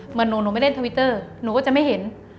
เหมือนหนูไม่เล่นทวิตเตอร์หนูก็จะไม่เห็น